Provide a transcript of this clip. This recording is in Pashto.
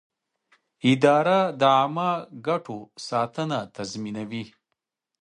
اداره د عامه ګټو ساتنه تضمینوي.